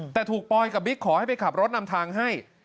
แต่ถูกปอยกับบิ๊กขอให้ไปขับรถนำทางให้